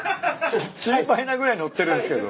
心配なぐらい載ってるんすけど。